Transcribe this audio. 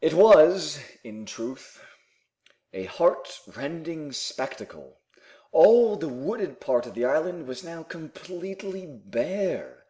It was, in truth, a heart rending spectacle. All the wooded part of the island was now completely bare.